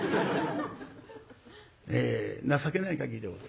情けない限りでございます。